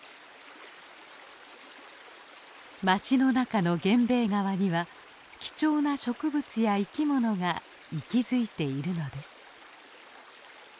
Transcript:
街の中の源兵衛川には貴重な植物や生きものが息づいているのです。